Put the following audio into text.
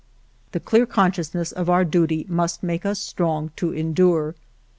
"The clear consciousness of our duty must make us strong to endure.